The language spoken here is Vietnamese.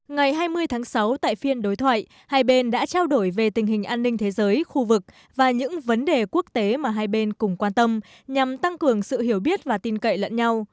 ngày hai mươi tháng sáu tại phiên đối thoại hai bên đã trao đổi về tình hình an ninh thế giới khu vực và những vấn đề quốc tế mà hai bên cùng quan tâm nhằm tăng cường sự hiểu biết và tin cậy lẫn nhau